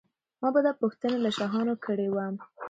ما به دا پوښتنه له شاهانو کړې وي.